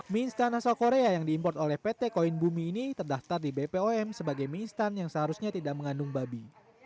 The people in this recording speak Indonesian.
mie instan asal korea yang diimport oleh pt koin bumi ini terdaftar di bpom sebagai mie instan yang seharusnya tidak mengandung babi